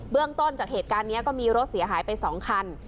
เรื่องต้นจากเหตุการณ์นี้ก็มีรถเสียหายไป๒คัน